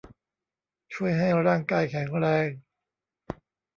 ช่วยให้ร่างกายแข็งแรง